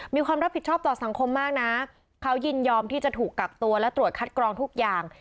มีความรับผิดชอบต่อสังคมมากนะเขายินยอมที่จะถูกกักตัวและตรวจคัดกรองทุกอย่าง